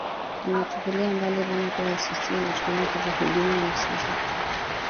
ametupilia mbali dhana kuwa icc inatumiwa kuhujumu wanasiasa fulani